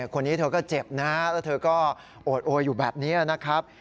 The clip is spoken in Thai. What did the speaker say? คนนี้เธอก็เจ็บนะฮะแล้วเธอก็โอดโอยอยู่แบบนี้นะครับ